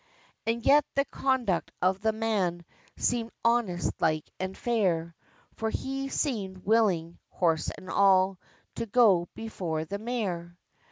And yet the conduct of the man Seemed honest like and fair; For he seemed willing, horse and all, To go before the mare!